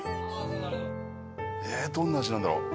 どんな味なんだろう。